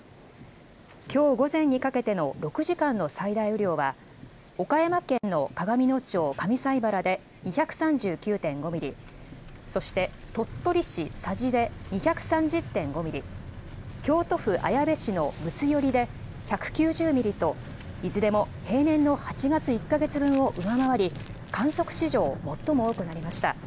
きょう午前にかけての６時間の最大雨量は、岡山県の鏡野町上齋原で２３９．５ミリ、そして、鳥取市佐治で２３０．５ミリ、京都府綾部市の睦寄で１９０ミリと、いずれも平年の８月１か月分を上回り、観測史上最も多くなりました。